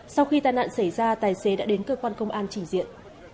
sau khi tai nạn xảy ra tài xế đã đến cơ quan công an trình diện